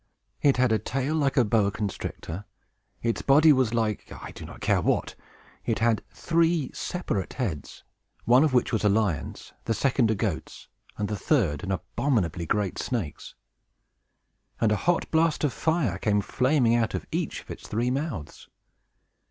It had a tail like a boa constrictor; its body was like I do not care what; and it had three separate heads, one of which was a lion's, the second a goat's, and the third an abominably great snake's. And a hot blast of fire came flaming out of each of its three mouths!